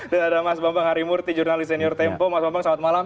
dan ada mas bambang harimurti jurnalis senior tempo mas bambang selamat malam